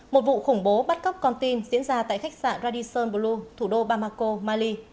một vụ khủng bố bắt cóc con tin diễn ra tại khách sạn radison blue thủ đô bamako mali